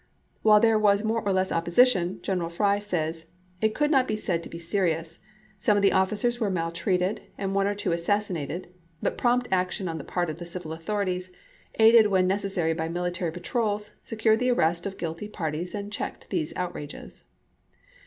While there was more or less opposition, General Fry says: "It could not be said to be serious; some of the officers were maltreated, and one or two assassinated, but prompt action on the part of THE ENROLLMENT AND THE DRAFT the civil authorities, aided when necessary by mili chap.i. tary patrols, secured the arrest of guilty parties and checked these outrages."